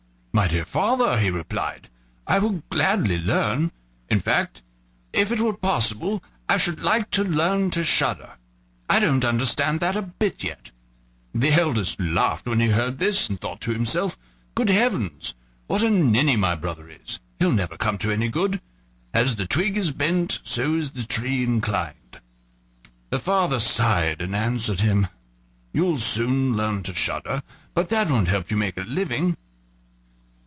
"My dear father," he replied, "I will gladly learn in fact, if it were possible I should like to learn to shudder; I don't understand that a bit yet." The eldest laughed when he heard this, and thought to himself: "Good heavens! what a ninny my brother is! he'll never come to any good; as the twig is bent, so is the tree inclined." The father sighed, and answered him: "You'll soon learn to shudder; but that won't help you to make a living."